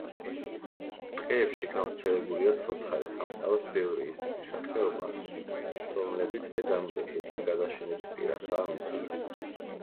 ტყეებში გავრცელებულია ცოცხალი სამყაროს ბევრი ისეთი სახეობა, რომლებიც დედამიწაზე უკვე გადაშენების პირასაა მისული.